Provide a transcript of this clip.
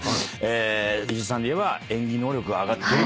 石井さんでいえば演技能力が上がってる。